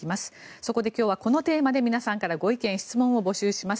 そこで今日はこのテーマで皆さんからご意見・ご質問を募集します。